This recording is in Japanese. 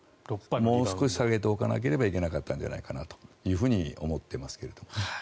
もう少し下げておかなければいけなかったんじゃないかと思っていますが。